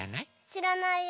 しらないよ。